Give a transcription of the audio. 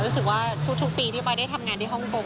รู้สึกว่าทุกปีที่ปอยได้ทำงานที่ฮ่องกง